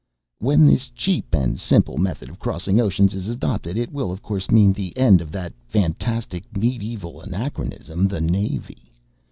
"When this cheap and simple method of crossing oceans is adopted, it will of course mean the end of that fantastic medieval anachronism, the Navy.